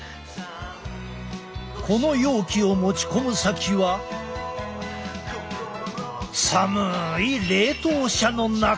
この容器を持ち込む先は寒い冷凍車の中。